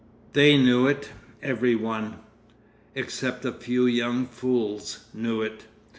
They knew it; every one, except a few young fools, knew it.